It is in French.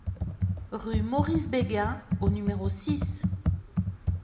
Rue Maurice Béguin au numéro six